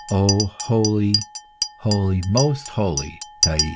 O holy, holy, most holy Thais!"